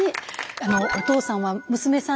あのお父さんは娘さん